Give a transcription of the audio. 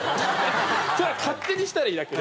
それは勝手にしたらいいだけで。